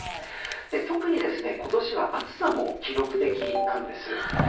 特に今年は暑さも記録的なんです。